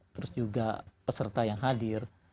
terus juga peserta yang hadir